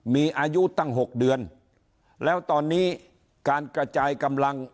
มีอายุตั้ง๖เดือนแล้วตอนนี้การกระจายกำลัง